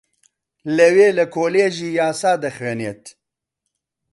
لەوێ لە کۆلێژی یاسا دەخوێنێت